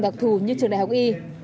đặc thù như trường đại học y